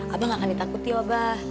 abah nggak akan ditakuti ya mbah